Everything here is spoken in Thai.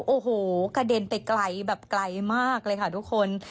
โอ้โหกระเด็นไปไกลแบบไกลมากเลยค่ะทุกคน